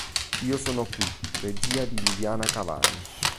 Io sono qui", regia di Liliana Cavani.